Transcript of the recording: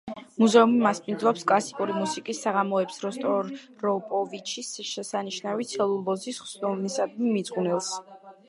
მუზეუმი მასპინძლობს კლასიკური მუსიკის საღამოებს როსტროპოვიჩის შესანიშნავი ცელულოზის ხსოვნისადმი მიძღვნილს.